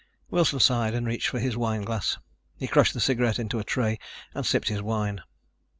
Wilson sighed and reached for his wine glass. He crushed the cigarette into a tray and sipped his wine.